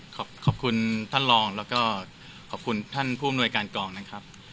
ขอบคุณท่านรองแล้วก็ขอบคุณท่านผู้อำนวยการกองนะครับ